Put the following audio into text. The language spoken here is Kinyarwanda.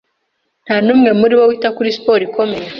Nta n'umwe muri bo wita kuri siporo ikomeye.